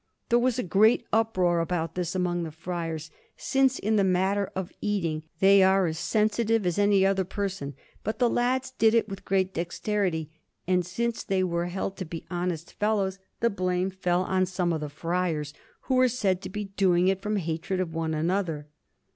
There was a great uproar about this among the friars, since in the matter of eating they are as sensitive as any other person; but the lads did it with great dexterity, and, since they were held to be honest fellows, the blame fell on some of the friars, who were said to be doing it from hatred of one another.